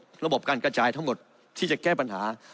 ระบบการกระจายทั้งหมดที่จะแก้ปัญหา